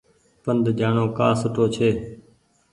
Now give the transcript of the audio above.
پند جآڻو ڪآ سُٺو ڇي۔